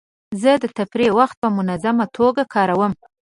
زه د تفریح وخت په منظمه توګه کاروم.